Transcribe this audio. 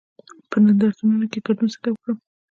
په نندارتونونو کې ګډون څنګه وکړم؟